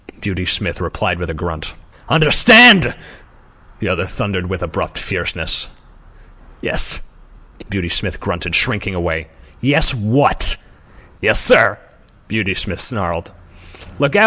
Beauty Smith replied with a grunt. "Understand?" the other thundered with abrupt fierceness. "Yes," Beauty Smith grunted, shrinking away. "Yes what?" "Yes, sir," Beauty Smith snarled. "Look out!